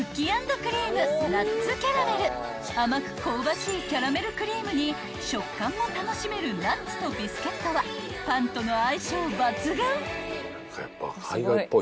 ［甘く香ばしいキャラメルクリームに食感も楽しめるナッツとビスケットはパンとの相性抜群！］